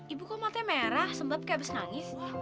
ibu kok matanya merah semblap kayak abis nangis